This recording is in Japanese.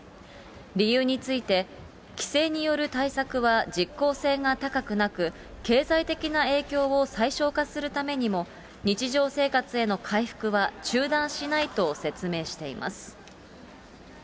理由について、規制による対策は実効性が高くなく、経済的な影響を最小化するためにも、日常生活への回復は中断しないと説明しています。